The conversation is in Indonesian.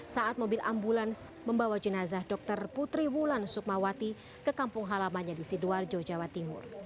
saat mobil ambulans membawa jenazah dr putri wulan sukmawati ke kampung halamannya di sidoarjo jawa timur